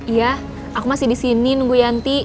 iya aku masih disini nunggu yanti